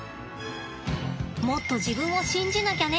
もっと自分を信じなきゃね。